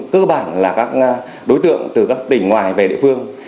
cơ bản là các đối tượng từ các tỉnh ngoài về địa phương